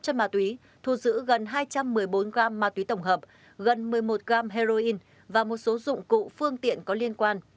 chất ma túy thu giữ gần hai trăm một mươi bốn gam ma túy tổng hợp gần một mươi một gam heroin và một số dụng cụ phương tiện có liên quan